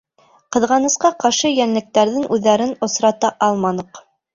Ҡыҙғанысҡа ҡаршы, йәнлектәрҙең үҙҙәрен осрата алманыҡ.